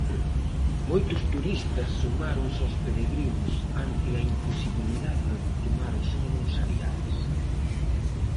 Moitos turistas sumáronse aos peregrinos ante a imposibilidade de tomar o sol nos areais.